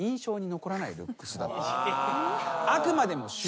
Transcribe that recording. あくまでも。